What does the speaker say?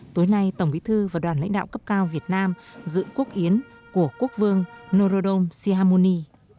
tối nay tổng bí thư và đoàn lãnh đạo cấp cao việt nam dự quốc yến của quốc vương norodom sihamoni